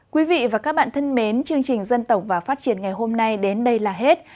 quý vị và các bạn thân mến chương trình dân tộc và phát triển ngày hôm nay đến đây là hết